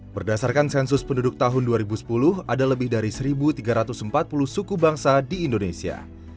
berdasarkan sensus penduduk tahun dua ribu sepuluh ada lebih dari satu tiga ratus empat puluh suku bangsa di indonesia